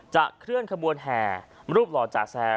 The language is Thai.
เคลื่อนขบวนแห่รูปหล่อจ่าแซม